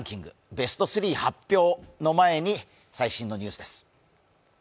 ベスト３発表の前に最新のニュースです。